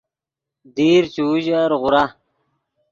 دیر چے اوژر غورا